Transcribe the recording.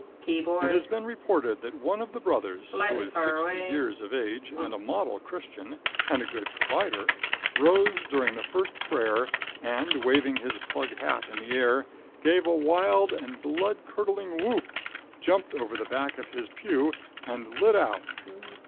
It has been reported that one of the brothers, who is sixty years of age, and a model Christian, and a good provider, rose during the first prayer, and, waving his plug hat in the air, gave a wild and blood curdling whoop, jumped over the back of his pew, and lit out.